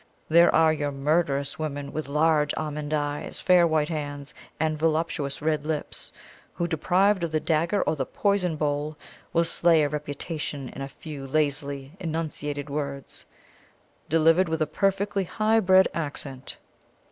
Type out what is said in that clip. There are your murderous women with large almond eyes, fair white hands, and voluptuous red lips, who, deprived of the dagger or the poison bowl, will slay a reputation in a few lazily enunciated words, delivered with a perfectly high bred accent.